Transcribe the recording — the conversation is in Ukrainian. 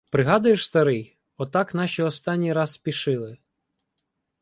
— Пригадуєш, старий, отак наші останній раз спішили.